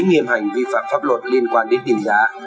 nghiêm hành vi phạm pháp luật liên quan đến tiền giá